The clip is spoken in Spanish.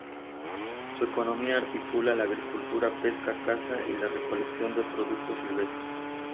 Su economía articula la agricultura, pesca, caza y la recolección de productos silvestres.